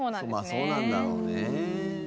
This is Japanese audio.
まあそうなんだろうね。